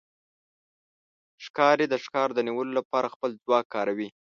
ښکاري د ښکار د نیولو لپاره خپل ځواک کاروي.